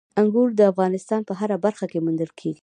انګور د افغانستان په هره برخه کې موندل کېږي.